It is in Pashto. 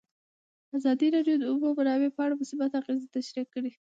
ازادي راډیو د د اوبو منابع په اړه مثبت اغېزې تشریح کړي.